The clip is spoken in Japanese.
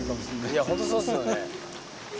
いやほんとそうっすよね。